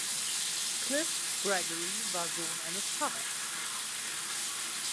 Clive Gregory war Sohn eines Pfarrers.